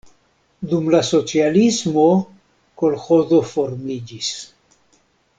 Dum la socialismo kolĥozo formiĝis.